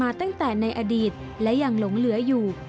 ตั้งแต่ในอดีตและยังหลงเหลืออยู่